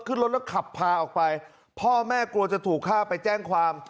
ขึ้นรถแล้วขับพาออกไปพ่อแม่กลัวจะถูกฆ่าไปแจ้งความ